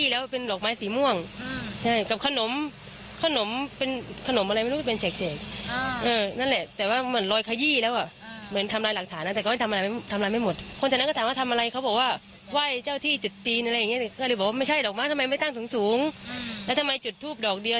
แล้วเราเชื่อไหมว่าอาจจะเป็นมีผลบทวิญญาณอะไรอย่างนี้